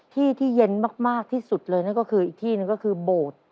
ที่ที่เย็นมากที่สุดเลยนั่นก็คืออีกที่หนึ่งก็คือโบสถ์